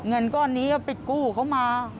เงินก้อนนี้ก็ไปกู้เขามา